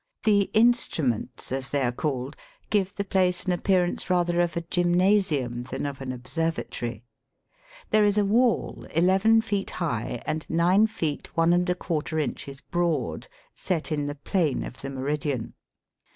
The instruments, as they are called, give the place an appearance rather of a gymnasium than of an observatory. There is a wall 11 feet high and 9 feet 1^ inches broad, set in the plane of the meridian.